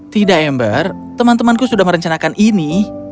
tidak ember teman temanku sudah merencanakan ini